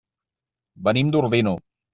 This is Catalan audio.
Venim d'Ordino.